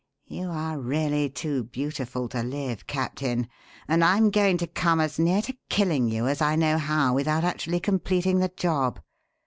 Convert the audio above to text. You are really too beautiful to live, Captain, and I'm going to come as near to killing you as I know how without actually completing the job.